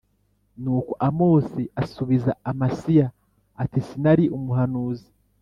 Nuko amosi asubiza amasiya ati sinari umuhanuzi